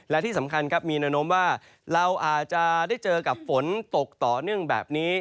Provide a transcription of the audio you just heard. และที่สำคัญครับมีแนวโน้มว่าเราอาจจะได้เจอกับฝนตกต่อเนื่องแบบนี้